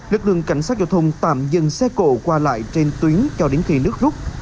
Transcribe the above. lực lượng cảnh sát giao thông tạm dừng xe cộ qua lại trên tuyến cho đến khi nước rút